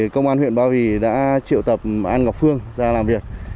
công an huyện ba vì đã triệu tập an ngọc phương ra làm việc